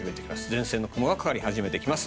前線の雲がかかってきます。